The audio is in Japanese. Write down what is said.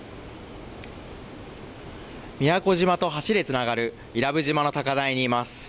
宮古島と橋でつながる伊良部島の高台にいます。